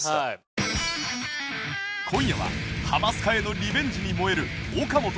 今夜は『ハマスカ』へのリベンジに燃える ＯＫＡＭＯＴＯ